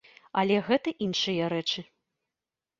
Але гэта іншыя рэчы.